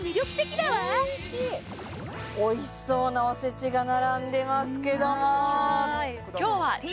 おいしそうなおせちが並んでますけども